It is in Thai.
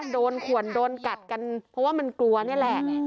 โดนขวนโดนกัดกันเพราะว่ามันกลัวนี่แหละ